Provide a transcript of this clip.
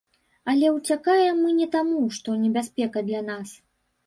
Але ўцякаем мы не таму, што небяспека для нас.